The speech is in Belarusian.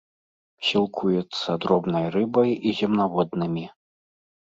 Сілкуецца дробнай рыбай і земнаводнымі.